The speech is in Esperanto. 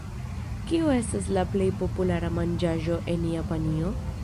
Kiu estas la plej populara manĝaĵo en Japanio?